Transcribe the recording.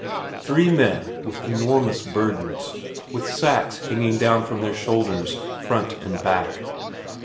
Three men with enormous burdens, with sacks hanging down from their shoulders, front and back.